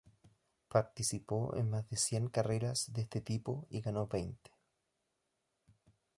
Participó en más de cien carreras de este tipo y ganó veinte.